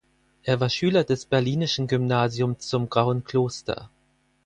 Er war Schüler des Berlinischen Gymnasium zum Grauen Kloster.